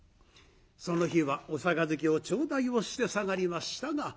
その日はお杯を頂戴をして下がりましたが。